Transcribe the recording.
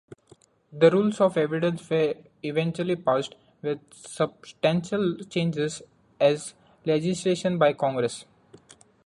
The Rules of Evidence were eventually passed, with substantial changes, as legislation by Congress.